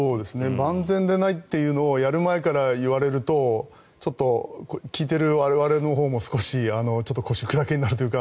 万全でないというのをやる前から言われるとちょっと聞いている我々のほうも腰砕けになるというか。